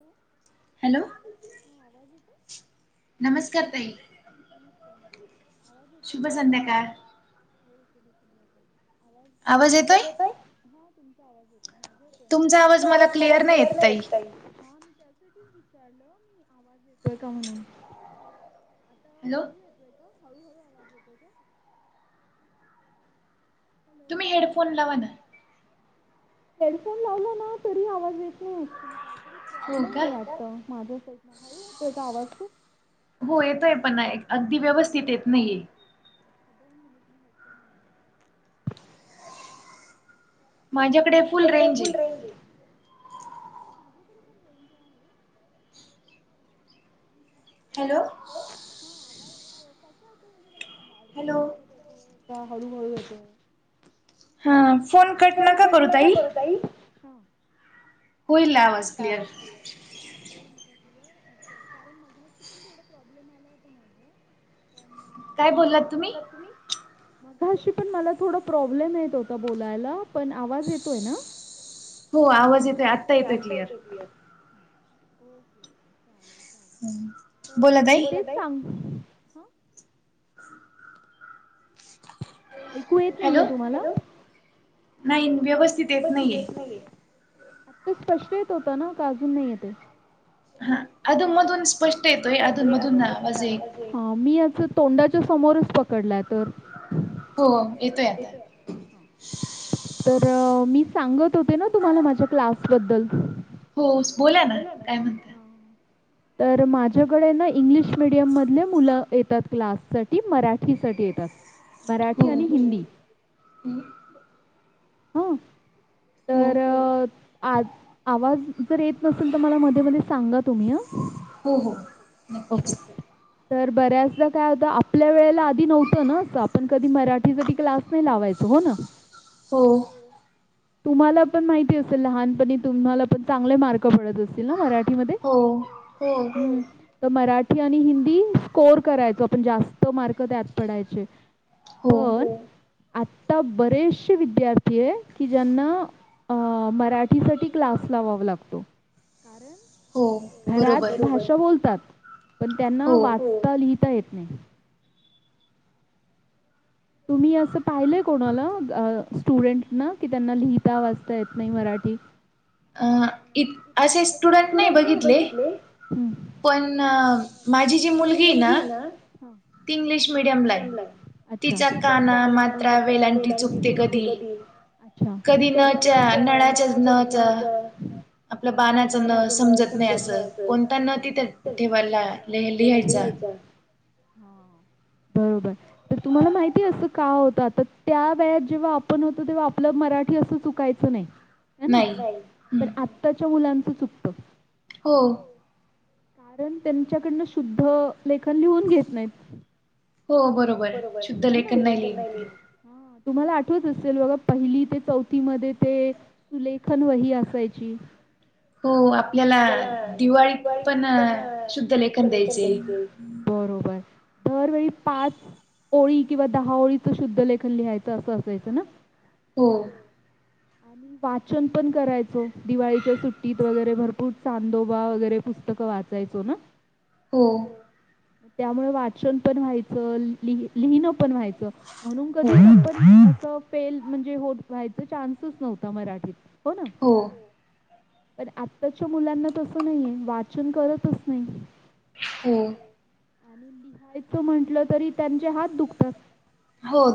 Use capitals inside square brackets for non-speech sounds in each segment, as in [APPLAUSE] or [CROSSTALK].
Hello hello हां आवाज येतोय? नमस्कार ताई,.. नमस्कार. आवाज येतोय ना? शुभ संध्याकाळ.. हो शुभ संध्याकाळ.. आवाज आवाज येतोय हा तुमचा? तुमचा आवाज येतोय, माझा येतोय ना? तुमचा आवाज मला क्लिअर नाही येतं ताई. त्यासाठीच विचारलं मी, आवाज येतोय का म्हणून? आता हॅलो. आवाज येतोय का? हळूहळू आवाज येतोय का? तुम्ही हेडफोन लावा ना. हेडफोन लावला ना तरी आवाज येत नाही ऍक्च्युली. काहीतरी प्रॉब्लेम आहे वाटतं माझ्या साईटला हळू येतोय का आवाज खूप? हो येतोय पण अगदी व्यवस्थित येत नाहीये. दोन मिनिट मी हेडफोन लाऊन बघते. माझ्या माझ्याकडे फूल रेंज हे. हो माझ्याकडे पण रेंज आहे. हॅलो हा आवाज कसा येतोय म्हणजे मला सांगा अडकत- अडकत येतोय का हळूहळू येतोय? हा फोन कट नका करू ताई. हा. होईल आवाज क्लियर. होईल का क्लिअर, अच्छा कारण मघाशी पण थोडं प्रॉब्लेम आला होता माझा. पणं काय बोललात तुम्ही? मघाशी पण मला थोडं प्रॉब्लेम येतं होतं बोलायला, पण आवाज येतोय ना? हो आवाज येतोय आ आता येतोय क्लियर हं ओके, ओेके चालेल. चालेल, तर मी तेच सांग आयकू येतं नाहीये तुम्हाला, हॅलो! नाही. नाहीं व्यवस्थित येत नाहीये, आत्ता स्पष्ट येत होत ना का आजून नाही येतहे. हा अधून मधून स्पष्ट येतोय, अधून मधून ना आवाज येई हा मी असं तोंडाच्या समोरच पकडला तर. हो येतोय आता. तर मी सांगत होते ना तुम्हाला माझ्या क्लास बद्दल. होस बोला ना काय म्हणता. तर माझ्याकडे ना इंग्लिश मीडियम मधले मुलं येतात, क्लाससाठी मराठीसाठी येतात. हो! हं तर आज. आवाज जर येत नसेल, त मला मध्ये, मध्ये सांगा तुम्ही हं! हो हो नक्कीच. तर बऱ्याचदा काय होत, आपल्या वेळे. त्या आधी नव्हत न असं, आपण कधी मराठी साठी क्लास नही लावायच हो न. हो! तुम्हाला पण माहिती असेल, लहानपणी तुम्हाला पण चांगले मार्क पडत असतील ना मरा ठी मधे, हो हूं. त मराठी आणि हिंदी स्कोअर करायचो आपण, जास्त मार्क त्यात पडायचे. पण आता बरेचशे वि द्यार्थी आहे की ज्यांना अं मराठीसाठी क्लास लावावा लागतो. कारण? घरात भाषा बोलतात, पण त्यांना वाचता लिहिता येत नाही. तुम्ही असं पाहिलंय कोणाला, अं स्टुडंटना की त्यांना लिहिता वाचता येत नाही मराठी. अं इत असे स्टुडंट नाही बघितले. हं! पण माझी जी मुलगी ये ना. अ हा! इंग्लिश मिडियमला आहे, अच्छा तिच्या काना, मात्रा, वेलांटी चुकते कधी. अच्छा कधी नच्या नळाच्याच न चा. हा हा त बाणाच ण समजत नाही असं, कोणता न तिथं [UNINTELLIGIBLE] ल्या लिहायचा. हा बरोबर. त तुम्हाला माहिती असं का होत, आता त्या वेळात जेव्हा आपण होतो तेव्हा आपलं मराठी असं चुकाय तस नाही हे ना नाहीं, तर आत्ताच्या मुलांचं चुकतं. हो! कारण त्यांच्याकडनं शुद्ध लेखन, लिहून घेत नाहीत. हो बरोबर शुद्ध लेखन नाही लिहून घेत. हा तुम्हाला आठवत असेल बघा, पहिली ते चौथी मध्ये ते सुलेखन वही असायची. हो आपल्याला दिवाळीत पण शुद्ध लेखन द्यायचे. बरोबर दरवेळी पाच ओळी किंवा दहा ओळीचं शुद्ध लेखन लिहायचं असं असायचं ना. हो आणि वाचन पण करायचो. दिवाळीच्या सुट्टीत वगैरे भरपूर चांदोबा वगैरे पुस्तकं वाच जायचो ना? हो मग त्यामुळे वाचन पण व्हायचं लिहिण पण व्हायचं. म्हणून कधीपण असं फेल म्हणजे हो व्हायच चान्स तूस नव्हत मराठीत हो ना? हो पण आताच्या मुलांना तसं नाहीये वाचन करतच नाही. हो आणि लिहायचं म्हंटलं तरी त्यांचे हात दुखतात.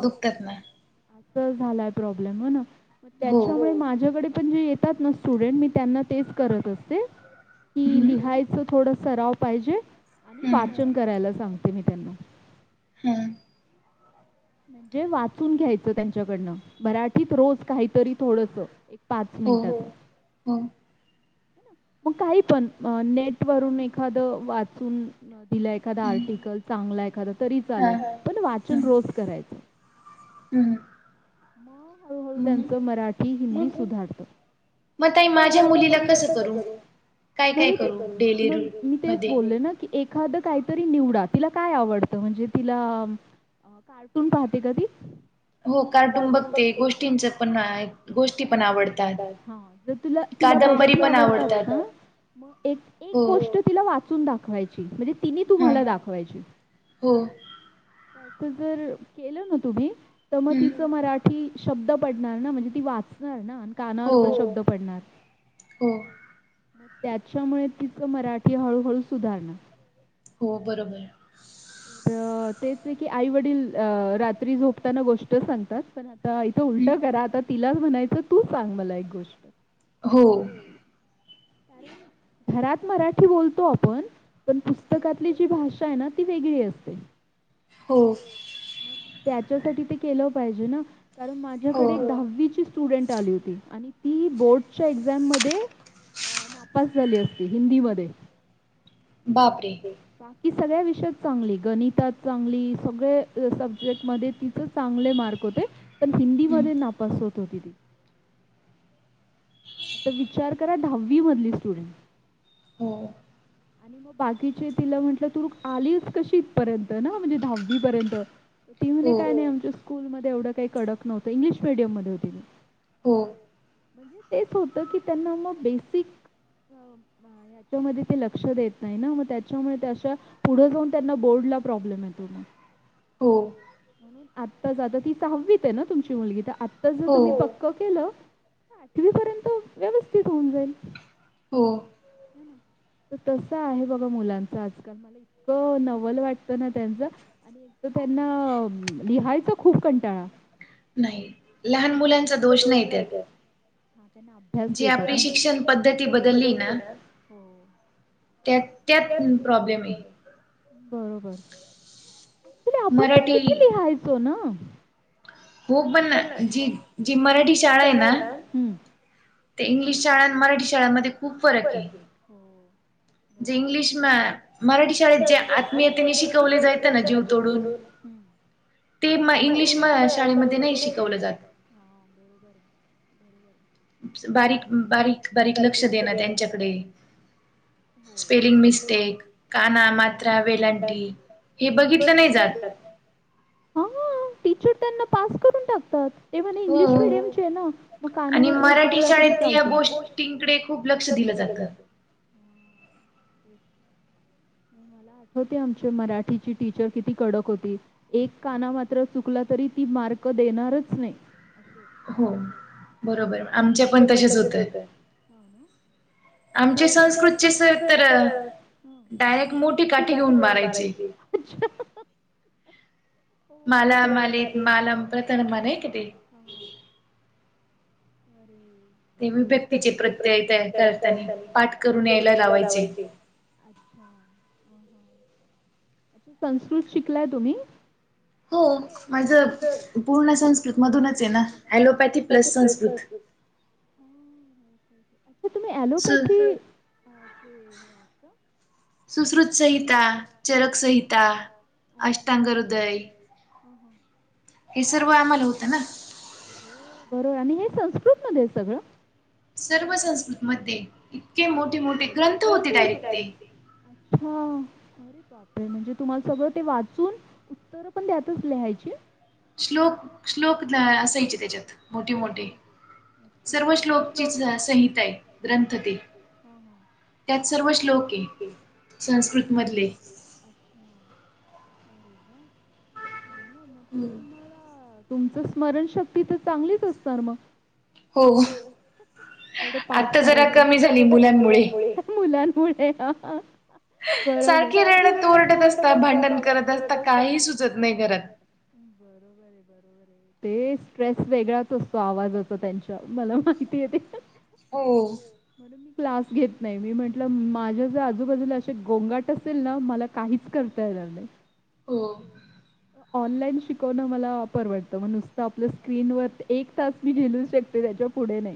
हो दुखतात ना तो झालाय प्रॉब्लेम हो ना? त्याच्यामुळे हो माझ्याकडे पण जे येतात ना स्टुडंट मी त्यांना तेच करत असते. हं लिहायचं थोड सराव पाहिजे. आणि वाचन करायला सांगते. मी त्यांना हं म्हणजे? वाचून घ्यायचं त्यांच्याकडन मराठीत रोज काहीतरी थोडस? पाच मिनिटात हो हो. मग काही पण नेट वरून एखादं वाचून दिलंय. एखादा आर्टिकल. चांगला एखादा तरी चालेल. पण वाचन रोज करायचं. [INAUDIBLE] हम् हम. मग हळूहळू त्यांचं मराठी, हिंदी सुधारत. मग ताई माझ्या मुलीला कसं करू? मी तेचं बोलले ना.? एखादं काहीतरी निवडा तिला काय आवडतं. म्हणजे तिला? कार्टून पाहते का ती? हो कार्टून बघते. ते गोष्टीं पण आवडतात. जर तिला गोष्टी आवडतात ना एक गोष्ट. तिला वाचून दाखवायची. म्हणजे? तिने तुम्हाला दाखवायची. [INAUDIBLE] असं जर केलं ना तुम्ही? तर मग तिला. मराठी शब्द पडणार ना? म्हणजे ती वाचणार ना कानावर पण शब्द पडणार. त्याच्यामुळे तिचं मराठी हळूहळू सुधारणार. हो बरोबर. तर तेचं आहे कि? आई वडील रात्री झोपताना. गोष्ट सांगतात पणआता इथं उलट करा आता. तिलाचं म्हणायचं तूचं सांग मला एक गोष्ट? हो. कारण? घरात मराठी बोलतो आपण? पण पुस्तकातली जी भाषा आहे ना ती वेगळी असते? हो. मग त्याच्यासाठी ते केलं पाहिजे ना? कारण माझ्याकडे दहावीची स्टुडन्ट आली होती आणि ती बोर्डच्या एक्झाम मध्ये नापास झाली होती हिंदी मध्ये बापरे! का? ती सगळ्या विषयात चांगली गणितात चांगली सगळे सब्जेक्ट मध्ये तिचं चांगले मार्क होते पण हिंदी मध्ये नापास होती ती विचार करा दहावी मधली स्टुडंट? आणि मग बाकीचे तिला म्हंटलं तूू आलीस कशी इथपर्यंत ना म्हणजे दहावीपर्यंत? ती म्हणे काय नाही आमच्या स्कूलमध्ये एवढं काही कडक नव्हतं इंग्लिश मीडियम मध्ये होती. हो तेचं होतं कि त्यांना मग बेसिक त्याच्यामध्ये ते लक्ष देत नाही ना मग त्याच्यामुळे त्या अशा पुढे जाऊन त्यांना बोर्डला प्रॉब्लेम येतो मग? हो आता ती सहावीत आहे ना तुमची मुलगी तर आता जर तुम्ही पक्क केलं? दहावी पर्यंत व्यवस्थित होऊन जाईल. हो तसं आहे बाबा मुलांच आजकाल. मला इतकं नवलं वाटतं ना त्यांचं. एक तर त्यांना लिहायचा खूप कंटाळा. नाही लहान मुलांचा दोष नाही त्यात. हि त्यांना अभ्यास देतात ती आपली शिक्षण पद्धती बदलली ना हो. त्या त्यात प्रॉब्लेम आहे. मराठी? हो ना. हो पण ना जी मराठी शाळा आहे ना? ते इंग्लिश शाळा आणि मराठी शाळांमध्ये खूप फरक आहे. इंग्लिश मराठी शाळेत जे आत्मीयेतेने शिकवले जायचं ना जीव तोडून हम्म ते म इंग्लिश म शाळेमध्ये मध्ये नाही शिकवलं जातं. बारीक बारीक बारीक लक्ष देणं त्यांच्याकडे स्पेलिंग मिस्टेक काना मात्रा वेलांटी हे बघितलं नाही जात. हा टीचर त्यांना पास करून टाकतात. ते म्हणे इंग्लिश मिडियमचे आहे ना मग काना मात्र चुकला तरी चालतो. खूप लक्ष दिलं जातं. मला आठवते आमच्या मराठीची टीचर किती कडक होती. एक काना मात्र चुकला तरी ती मार्क देणारच नाही. हो बरोबर आमच्या पण तसेच होते. आमच्या संस्कृतचे सर तर डायरेक्ट मोठी काठी घेऊन मारायचे. च [UNINTELLIGIBLE] माला मालीत माला प्रथन म नाही का ते हां अरे ते वि व्यक्तीचे प्रत्यय करता आणि पाठ करून यायला लावायचे. संस्कृत शिकलाय तुम्ही हो माझं पूर्ण संस्कृत मधूनच आहे ना अॅलोपॅथी प्लस संस्कृत हा ह तुम्ही आलोपॅथी सुश्रुत संहिता चरक संहिता अष्टांग हदय, हम हम हे सर्व आम्हाला होतं ना. हो बरोबर आणि हे संस्कृत मध्ये सगळं? सर्व संस्कृतमध्ये इतके मोठे मोठे ग्रंथ होते डायरेक ते. हम. म्हणजे तुम्हाला सगळं ते वाचून उत्तरं पण त्यातच लिहायची. श्लोक श्लोक न असायचे त्याच्यात मोठे मोठे श्लोक [INAUDIBLE] त्यात सर्व श्लोक आहे संस्कृत मधले अच्छा अरे वा चांगलंय मग तर तुम्हाला [UNINTELLIGIBLE] तुमच स्मरणशक्ती तर चांगलीच असणार मग हो पाठ करा आत्ता जरा कमी झाली मुलांमुळे मुलांमुळे हा सारखी रडत ओरडत असत भांडण करत असता काही सुचत नाही घरात [INAUDIBLE] बरोबर ते स्ट्रेस वेगळाच असतो आवाजचा त्यांच्या मला माहिती ते हो. म्हणून मी क्लास घेत नाही मी म्हंटलं माझ्या ज आजूबाजूला असे गोंगाट असेल ना. मला काहीच करता येणार नाही. हो ऑनलाईन शिकवणं मला परवडतं मग नुसतं आपलं स्क्रीनवर एक तास मी झेलू शकते त्याच्या पुढे नाही.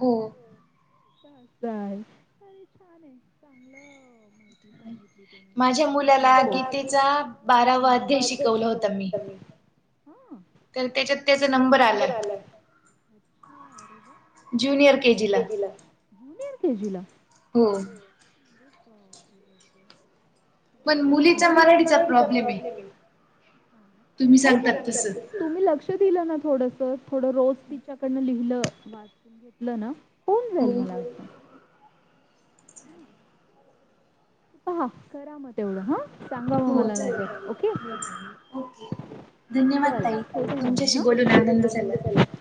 हो. [INAUDIBLE] माहिती सांगितली तुम्ही? माझ्या मुलाला गीतेचा बारावा अध्याय शिकवला होता मी. हा तर त्याच्यात त्याचा नंबर आला. [INAUDIBLE] हो. ओक ओके पण मुलीचा मराठीचा प्रॉब्लेम हे. तुम्ही सांगतात तसं. तुम्ही लक्ष दिलं ना थोडस थोडं रोज तिच्याकडनं लिव्हल वाचून घेतलं ना कोण जाईल मला वाटतं? ह ना [INAUDIBLE] पहा करा मग तेवढं हा सांगा मग मला नंतर ओके? गुरु नानक देव [INAUDIBLE] [UNINTELLIGIBLE]